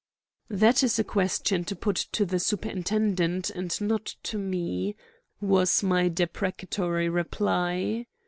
"That is a question to put to the superintendent and not to me," was my deprecatory reply.